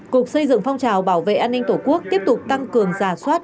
cục xây dựng phong trào bảo vệ an ninh tổ quốc tiếp tục tăng cường giả soát